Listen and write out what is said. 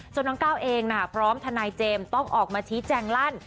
น้องก้าวเองพร้อมทนายเจมส์ต้องออกมาชี้แจงลั่น